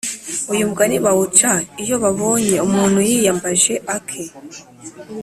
uyu mugani bawuca iyo babonye umuntu yiyambaje ake;